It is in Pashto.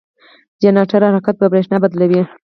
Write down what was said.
جنراتور حرکت په برېښنا بدلوي.